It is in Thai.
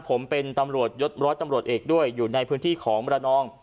ผมเป็นตำรวจยศร้อยตำรวจเอกด้วยอยู่ในพื้นที่ของมรนอง